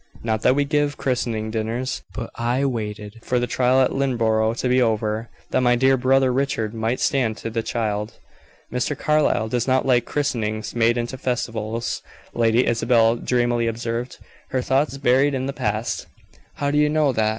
Not that we give christening dinners; but I waited for the trial at Lynneborough to be over, that my dear brother Richard might stand to the child." "Mr. Carlyle does not like christenings made into festivals," Lady Isabel dreamily observed, her thoughts buried in the past. "How do you know that?"